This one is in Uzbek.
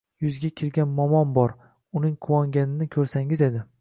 Yuzga kirgan momom bor. Uning quvonganini ko‘rsangiz edi…